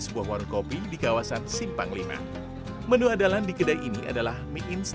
mie guritno kerap disajikan dengan kuah kental berwarna merah pekat